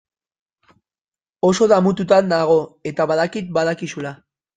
Oso damututa nago eta badakit badakizula.